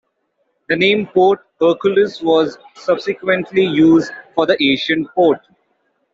The name Port Hercules was subsequently used for the ancient port.